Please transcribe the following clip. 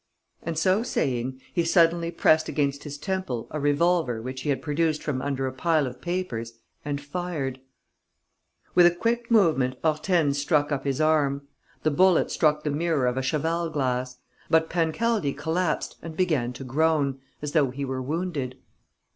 And, so saying, he suddenly pressed against his temple a revolver which he had produced from under a pile of papers and fired. With a quick movement, Hortense struck up his arm. The bullet struck the mirror of a cheval glass. But Pancaldi collapsed and began to groan, as though he were wounded.